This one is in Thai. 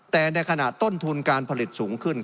แต่ในขณะต้นทุนการผลิตสูงขึ้น